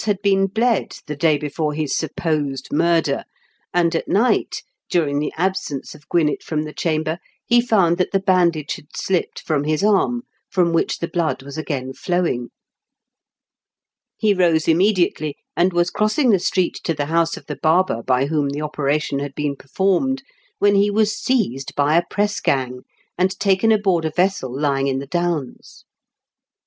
had been bled the day before his supposed murder, and at night, during the absence of Owinett from the chamber, he found that the bandage had sUpped from his arm, from which the blood was again flowing. He rose imme diately, and was crossing the street to the house of the barber by whom the operation had been performed, when he was seized by a press gang, and taken aboard a vessel lying in the Downs.